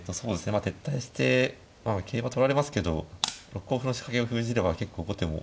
まあ撤退して桂馬取られますけど６五歩の仕掛けを封じれば結構後手も。